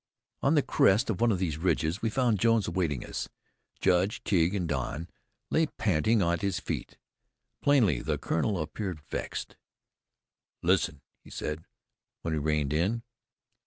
On the crest of one of the ridges we found Jones awaiting us. Jude, Tige and Don lay panting at his feet. Plainly the Colonel appeared vexed. "Listen," he said, when we reined in.